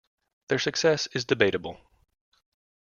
Their success is debatable.